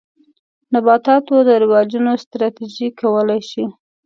نباتاتو د رواجولو ستراتیژۍ کولای شي.